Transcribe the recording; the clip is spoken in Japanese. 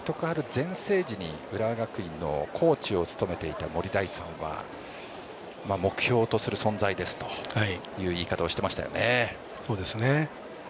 全盛時に浦和学院のコーチを務めていた森大さんは目標とする存在ですという言い方をしていましたね。